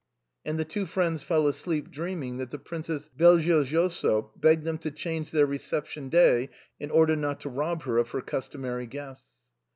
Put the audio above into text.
And the two friends fell asleep dreaming that the Prin cess Belgiojoso begged them to change their reception day, in order not to rob her of her customary guests.